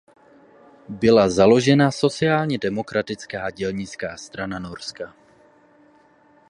Byla založena Sociálně demokratická dělnická strana Norska.